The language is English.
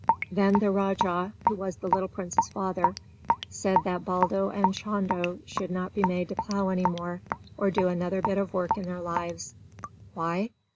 Then the Rajah, who was the little Prince's father, said that Baldo and Chando should not be made to plow any more, or do another bit of work in their lives. Why?